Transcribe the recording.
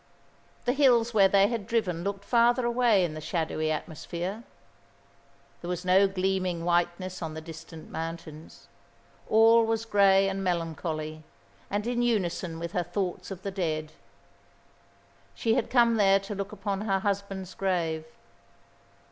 The hills where they had driven looked farther away in the shadowy atmosphere. There was no gleaming whiteness on the distant mountains. All was grey and melancholy and in unison with her thoughts of the dead. She had come there to look upon her husband's grave.